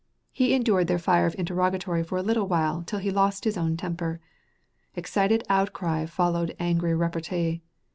He endured their fire of interrogatory for a little while till he lost his own temper. Excited outcry followed angry repartee.